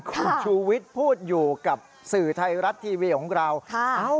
คุณชูวิทย์พูดอยู่กับสื่อไทยรัฐทีวีของเรา